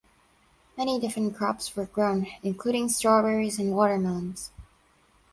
Many different crops were grown including strawberries and watermelons.